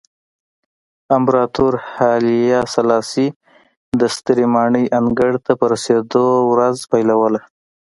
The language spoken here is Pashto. امپراتور هایله سلاسي د سترې ماڼۍ انګړ ته په رسېدو ورځ پیلوله.